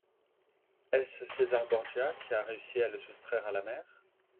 Est-ce César Borgia qui a réussi à le soustraire à la mère ?